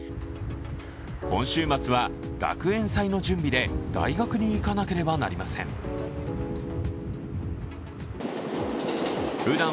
今週末は学園祭の準備で大学に行かなければなりません。